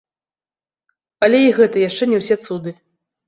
Але і гэта яшчэ не ўсе цуды.